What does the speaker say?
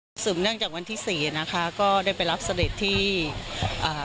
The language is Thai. มากครับซึมเนื่องจากวันที่สี่นะคะก็ได้ไปรับเสด็จที่อ่า